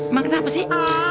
emang kenapa sih